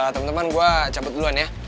teman teman gue cabut duluan ya